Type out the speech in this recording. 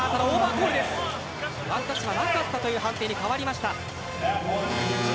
ワンタッチはなかったという判定に変わりました。